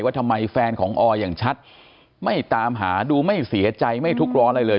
ทำไมแฟนของออยอย่างชัดไม่ตามหาดูไม่เสียใจไม่ทุกข์ร้อนอะไรเลย